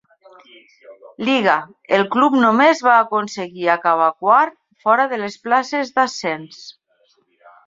Liga, el club només va aconseguir acabar quart, fora de les places d'ascens.